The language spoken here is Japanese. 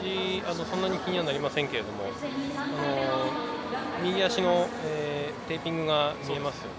そんなに気にはなりませんけど右足のテーピングが見えますよね。